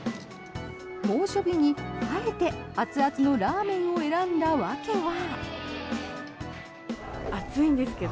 猛暑日にあえて熱々のラーメンを選んだ訳は。